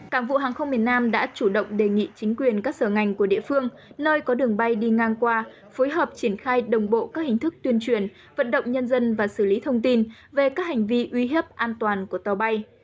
cảng vụ hàng không miền nam đã chủ động đề nghị chính quyền các sở ngành của địa phương nơi có đường bay đi ngang qua phối hợp triển khai đồng bộ các hình thức tuyên truyền vận động nhân dân và xử lý thông tin về các hành vi uy hiếp an toàn của tàu bay